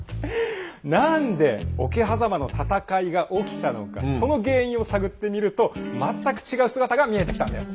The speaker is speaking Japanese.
何で桶狭間の戦いが起きたのかその原因を探ってみると全く違う姿が見えてきたんです。